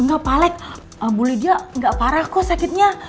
enggak pak alex bu lidia gak parah kok sakitnya